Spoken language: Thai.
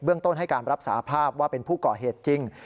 ต้นให้การรับสาภาพว่าเป็นผู้ก่อเหตุจริง